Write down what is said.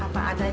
terima kasih pak